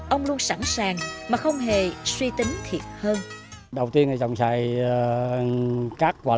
ông luôn sẵn sàng mà không hề suy tính thiệt hơn